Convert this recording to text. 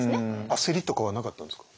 焦りとかはなかったんですか？